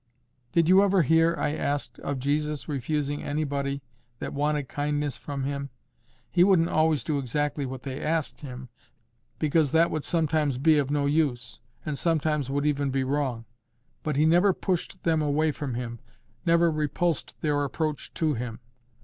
"Did you ever hear," I asked, "of Jesus refusing anybody that wanted kindness from Him? He wouldn't always do exactly what they asked Him, because that would sometimes be of no use, and sometimes would even be wrong; but He never pushed them away from Him, never repulsed their approach to Him.